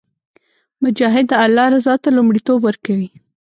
مجاهد د الله رضا ته لومړیتوب ورکوي.